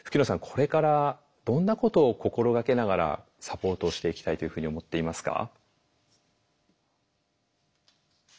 これからどんなことを心がけながらサポートしていきたいというふうに思っていますか？